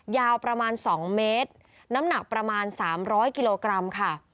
ยาวประมาณสองเมตรน้ำหนักประมาณสามร้อยกิโลกรัมค่ะ